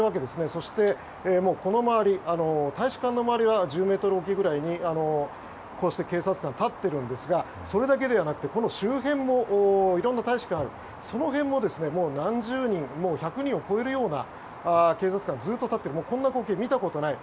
そして、この大使館の周りは１０ｍおきぐらいにこうして警察官が立っているんですがそれだけではなくて周辺も色んな大使館があってその辺も何十人もう１００人を超えるような警察官がずっと立っていてこんな光景見たことない。